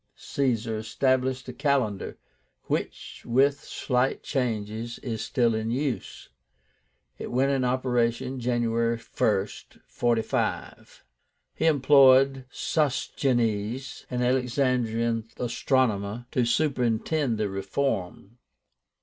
Caesar established a calendar, which, with slight changes, is still in use. It went into operation January 1st, 45. He employed Sosigenes, an Alexandrian astronomer, to superintend the reform.